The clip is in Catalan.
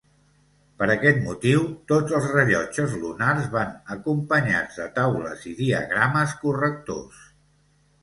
Per aquest motiu tots els rellotges lunars van acompanyats de taules i diagrames correctors.